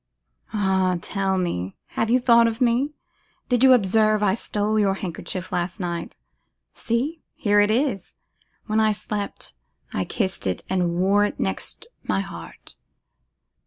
'Ah! tell me, have you thought of me? Did you observe I stole your handkerchief last night? See! here it is; when I slept, I kissed it and wore it next my heart.